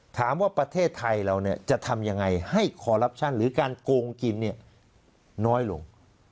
ถามว่าประเทศไทยเราจะทำยังไงให้คอลลับชั่นหรือการโกงกินน้อยลง